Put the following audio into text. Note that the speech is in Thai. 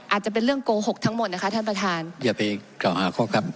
อาจจะเป็นเรื่องโกหกทั้งหมดนะคะท่านประธานอย่าไปกล่าวหาข้อครับ